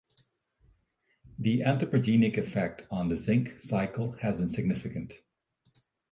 The anthropogenic effect on the zinc cycle has been significant.